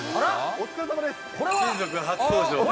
お疲れさまです。